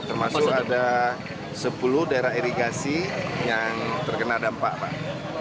termasuk ada sepuluh daerah irigasi yang terkena dampak pak